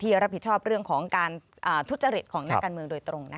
รับผิดชอบเรื่องของการทุจริตของนักการเมืองโดยตรง